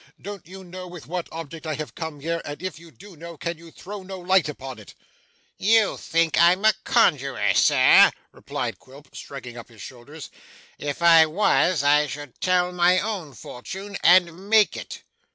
don't you know with what object I have come here, and if you do know, can you throw no light upon it?' 'You think I'm a conjuror, sir,' replied Quilp, shrugging up his shoulders. 'If I was, I should tell my own fortune and make it.